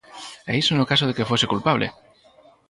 E iso no caso de que fose culpable!